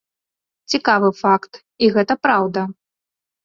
Цікавы факт, і гэта праўда.